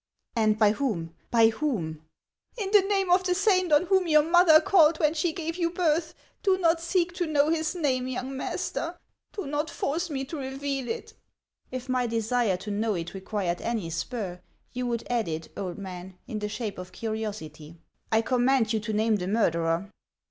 " And by whom, — by whom ?"" In the name of the saint on whom your mother called when she gave you birth, do not seek to know his name, young master ; do not force me to reveal it." " If my desire to know it required any spur, you would add it, old man, in the shape of curiosity. I command you to name the murderer."